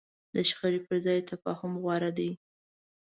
د شخړې پر ځای تفاهم غوره دی.